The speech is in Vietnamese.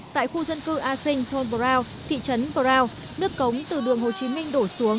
tại khu dân cư a sinh thôn brown thị trấn brow nước cống từ đường hồ chí minh đổ xuống